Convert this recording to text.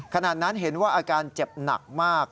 ขณะนั้นเห็นว่าอาการเจ็บหนักมาก